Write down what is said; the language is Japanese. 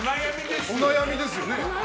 お悩みですよね。